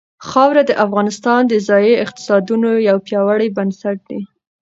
خاوره د افغانستان د ځایي اقتصادونو یو پیاوړی بنسټ دی.